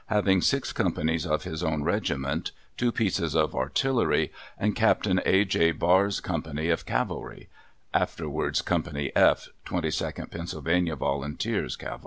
having six companies of his own regiment, two pieces of artillery, and Capt. A. J. Barr's company of cavalry (afterwards Company F, 22d Pa. Vol. Cav.).